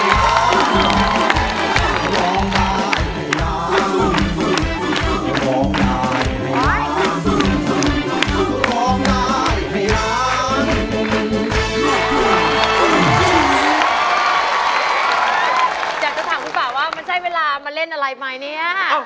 อยากจะถามคุณป่าว่ามันใช่เวลามาเล่นอะไรไหมเนี่ย